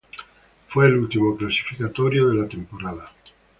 Fue el último clasificatorio de la temporada.